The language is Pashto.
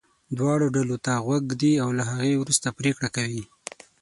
دواړو ډلو ته غوږ ږدي او له هغې وروسته پرېکړه کوي.